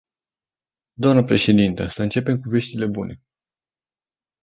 Dnă președintă, să începem cu veștile bune.